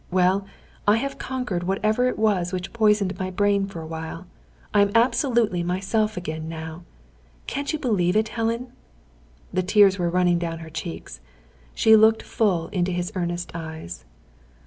Well, I have conquered whatever it was which poisoned my brain for a while. I am absolutely myself again now. Can't you believe it, Helen?" The tears were running down her cheeks. She looked full into his earnest eyes.